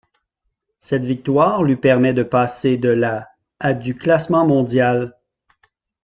Cette victoire lui permet de passer de la à du classement mondial.